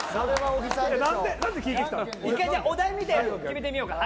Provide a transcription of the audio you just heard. お題を見て決めてみようか。